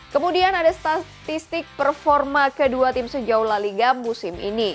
kemudian ada statistik performa kedua tim sejauh la liga musim ini